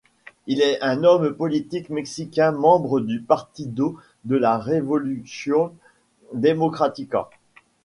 Il est un homme politique mexicain membre du Partido de la Revolución Democrática.